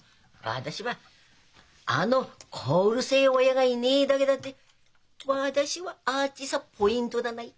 私はあの小うるせえ親がいねえだけだって私はあっちさポイントだない。